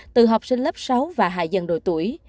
từ học sinh lớp sáu và hạ dân đội tuổi